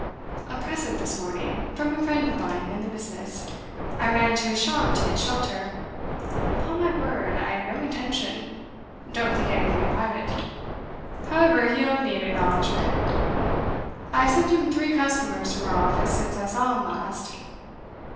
'A present this morning, from a friend of mine in the business. I ran into his shop to get shelter. Upon my word, I had no intention; didn't think anything about it. However, he owed me an acknowledgment; I've sent him three customers from our office since I saw him last.